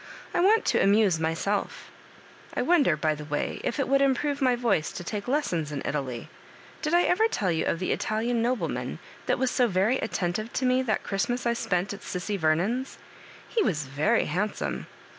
I want to amuse myself I wonder, by the way,, if it would improve my voice to take lessons in Italy. Did I ever tell you of the Italian noble man that was so veiy attentive to me that Christmas I spent at Sissy Yemon's ? He was very handsome.